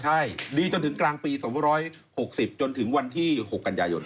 ใช่ดีจนถึงกลางปี๒๖๐จนถึงวันที่๖กันยายน